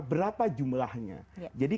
berapa jumlahnya jadi